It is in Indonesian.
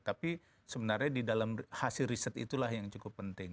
tapi sebenarnya di dalam hasil riset itulah yang cukup penting